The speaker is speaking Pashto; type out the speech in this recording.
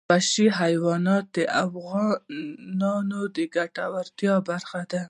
وحشي حیوانات د افغانانو د ګټورتیا برخه ده.